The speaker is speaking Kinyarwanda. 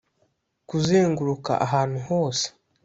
'kuzenguruka ahantu hose